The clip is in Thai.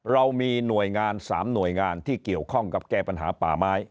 เรามีหน่วยงาน๓หน่วยงานที่เกี่ยวข้องกับแก้ปัญหาป่าไม้